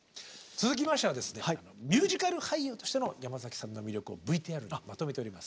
続きましてはですねミュージカル俳優としての山崎さんの魅力をＶＴＲにまとめております